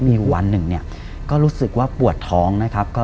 มีอยู่วันหนึ่งเนี่ยก็รู้สึกว่าปวดท้องนะครับ